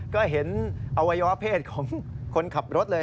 ก็เห็นอวัยวะเพศของคนขับรถเลย